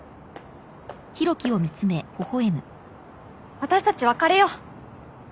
私たち別れよう。